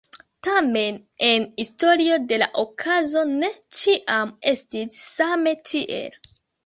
Tamen en historio de la okazo ne ĉiam estis same tiel.